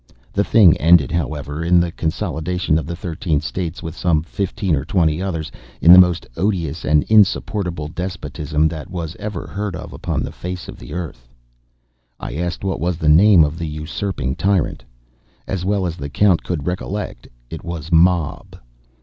The thing ended, however, in the consolidation of the thirteen states, with some fifteen or twenty others, in the most odious and insupportable despotism that was ever heard of upon the face of the Earth. I asked what was the name of the usurping tyrant. As well as the Count could recollect, it was Mob.